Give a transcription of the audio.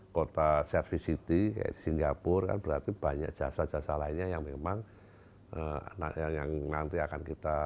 kota service city singapura berarti banyak jasa jasa lainnya yang memang nanti akan kita